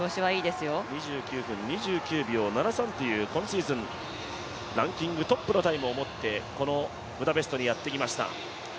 ２９分２９秒７３という今シーズンランキングトップのタイムを持ってこのブダペストにやってきました。